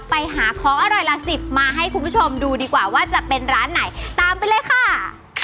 ไปหาของอร่อยละสิบมาให้คุณผู้ชมดูดีกว่าว่าจะเป็นร้านไหนตามไปเลยค่ะ